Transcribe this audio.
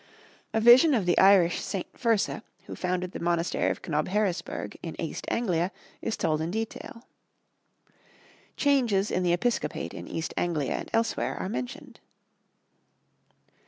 A vision of the Irish St. Fursa, who founded the monastery of Cnobheresburg in East Anglia is told in detail. Changes in the episcopate in East Anglia and elsewhere are mentioned.